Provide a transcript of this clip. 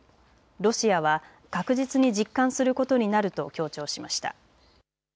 ロシアは確実に実感することになると強調しました。